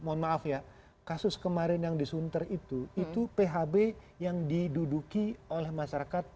mohon maaf ya kasus kemarin yang disunter itu itu phb yang diduduki oleh masyarakat